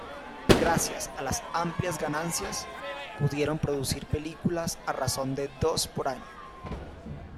Gracias a las amplias ganancias, pudieron producir películas a razón de dos por año.